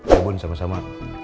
ya bun sama sama